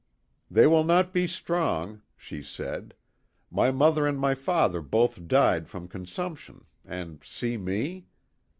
" They will not be strong," she said ;" my mother and my father both died from consumption, and see me!